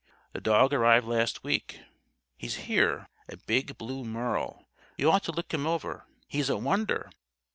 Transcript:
The dog arrived last week. He's here. A big Blue Merle. You ought to look him over. He's a wonder.